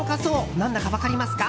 何だか分かりますか？